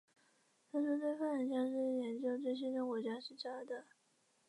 当代对犯人矫治研究最先进的国家是加拿大。